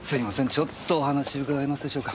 ちょっとお話伺えますでしょうか？